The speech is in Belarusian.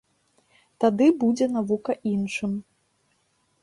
Тады будзе навука іншым.